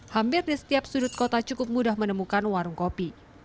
hampir di setiap sudut kota cukup mudah menemukan warung kopi